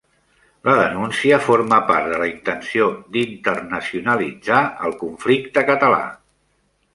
La denúncia forma part de la intenció d'internacionalitzar el conflicte català